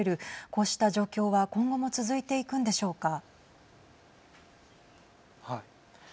こうした状況は今後も続いていくんでしょうか。